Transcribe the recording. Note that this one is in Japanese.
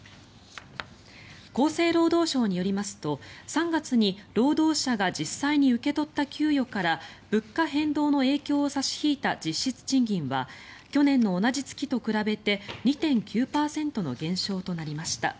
厚生労働省によりますと３月に労働者が実際に受け取った給与から物価変動の影響を差し引いた実質賃金は去年の同じ月と比べて２．９％の減少となりました。